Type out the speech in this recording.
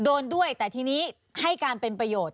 โดนด้วยแต่ทีนี้ให้การเป็นประโยชน์